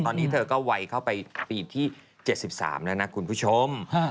ตอนนี้เธอก็วัยเข้าไปปีที่๗๓แล้วนะคุณผู้ชม